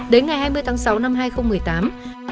đến ngày hai mươi tháng sáu năm hai nghìn một mươi tám